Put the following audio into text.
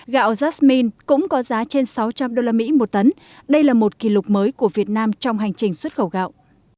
gạo jasmine cũng có giá trên sáu trăm linh usd một tấn đây là một kỷ lục mới của việt nam trong hành trình xuất khẩu gạo